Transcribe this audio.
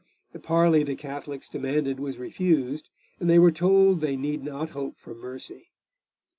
The parley the Catholics demanded was refused, and they were told they need not hope for mercy.